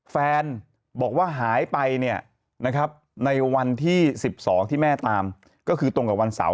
แฟนบอกว่าหายไปเนี่ยนะครับในวันที่๑๒ที่แม่ตามก็คือตรงกับวันเสาร์